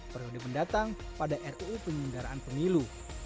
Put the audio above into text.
periode mendatang pada ruu penyelenggaraan pemilu